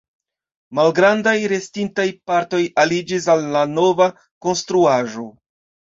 Malgrandaj restintaj partoj aliĝis al la nova konstruaĵo.